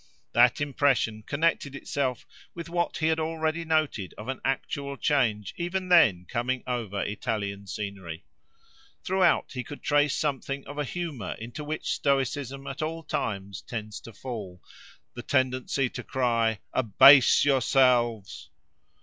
That impression connected itself with what he had already noted of an actual change even then coming over Italian scenery. Throughout, he could trace something of a humour into which Stoicism at all times tends to fall, the tendency to cry, Abase yourselves!